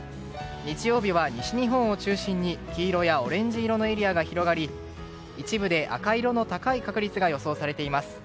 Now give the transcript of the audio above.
日曜日は西日本を中心に黄色やオレンジ色のエリアが広がり一部で赤色の高い確率が予想されています。